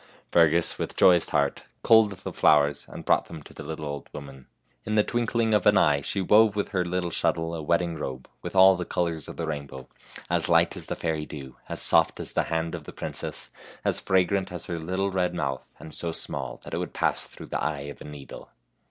Fergus, with joyous heart, culled the flowers, and brought them to the little old woman. In the twinkling of an eye she wove with her little shuttle a wedding robe, with all the colors of the rainbow, as light as the fairy dew, as soft as the hand of the princess, as fragrant as her little red mouth, and so small that it would pass through the eye of a needle.